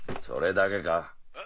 それだけか？